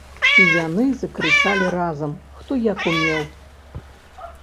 І яны закрычалі разам, хто як умеў.